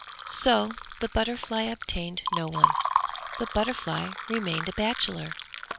So the butterfly obtained no one. The butterfly remained a bachelor.